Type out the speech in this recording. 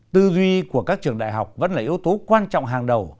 tư duy của các trường đại học vẫn là yếu tố quan trọng hàng đầu